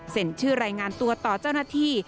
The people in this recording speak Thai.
ชื่อรายงานตัวต่อเจ้าหน้าที่